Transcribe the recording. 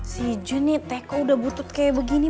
si jun nih teko udah butut kayak begini